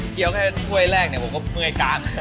เคี้ยวแค่ในตัวเวลาแรกเนี่ยผมก็เผื่อไงกัน